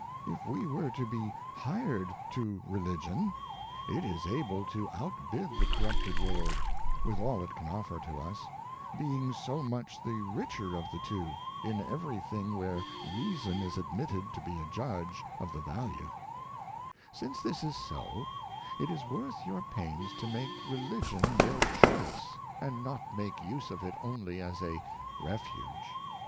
If we were to be hired to Religion, it is able to out bid the corrupted World, with all it can offer to us, being so much the Richer of the two, in every thing where Reason is admitted to be a Judge of the Value. Since Advice to a Daughter. Since this is so, it is worth your pains to make Religion your choice, and not make use of it only as a Refuge.